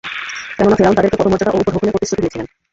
কেননা, ফিরআউন তাদেরকে পদমর্যাদা ও উপঢৌকনের প্রতিশ্রুতি দিয়েছিল।